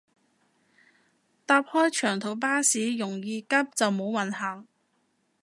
搭開長途巴士容易急就冇運行